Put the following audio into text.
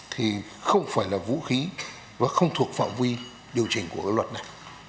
thì không phải là vũ khí và không thuộc phạm vi điều chỉnh của luật này